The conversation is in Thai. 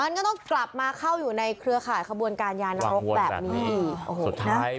มันก็ต้องกลับมาเข้าอยู่ในเครือข่าวขบวนการยานรกแบบนี้